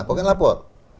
kok kan lapor